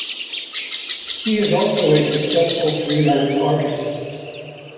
He is also a successful freelance artist.